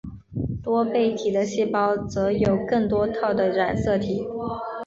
多倍体的细胞则有更多套的染色体。